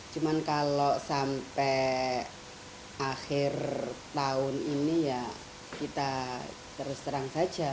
cuma kalau sampai akhir tahun ini ya kita terus terang saja